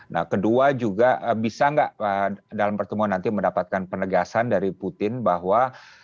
nah kedua juga bisa nggak dalam pertemuan nanti mendapatkan penegasan dari putin bahwa